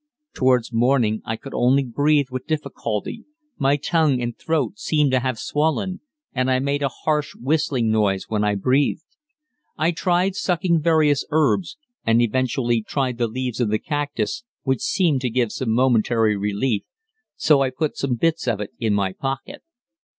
Towards morning I could only breathe with difficulty, my tongue and throat seemed to have swollen, and I made a harsh whistling noise when I breathed. I tried sucking various herbs, and eventually tried the leaves of the cactus, which seemed to give momentary relief, so I put some bits of it in my pocket.